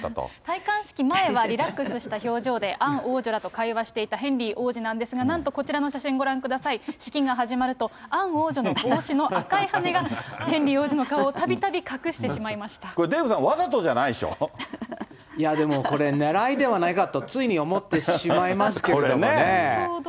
戴冠式前はリラックスした表情で、アン王女らと会話していたヘンリー王子なんですが、なんとこちらの写真、ご覧ください、式が始まると、アン王女の帽子の赤い羽根がヘンリー王子の顔をたびたび隠してしこれ、デーブさん、いやでも、これ、ねらいではないかと、つい思ってしまいますけどね。